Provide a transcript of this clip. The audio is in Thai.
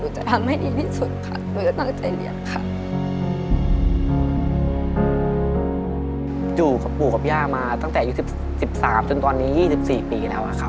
อยู่กับกู่กับย่ามาตั้งแต่๑๓๒๔ปี